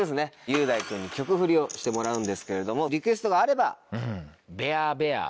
雄大君に曲フリをしてもらうんですけれどもリクエストがあれば。